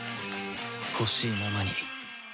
ほしいままに